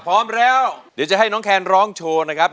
พร้อมแล้วเดี๋ยวจะให้น้องแคนร้องโชว์นะครับ